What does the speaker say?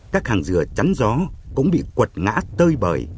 các hàng dừa chắn gió cũng bị quật ngã tơi bờ